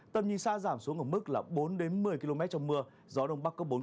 tầm nhìn xa giảm xuống ở mức là bốn đến một mươi km trong mưa gió đông bắc cấp bốn